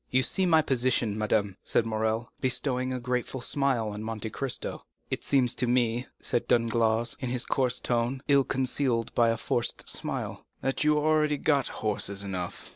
"You see my position, madame," said Morrel, bestowing a grateful smile on Monte Cristo. "It seems to me," said Danglars, in his coarse tone, ill concealed by a forced smile, "that you have already got horses enough."